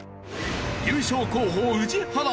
優勝候補宇治原。